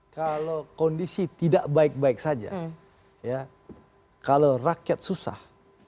kalau kondisi tidak baik baik saja ya kalau rakyat susah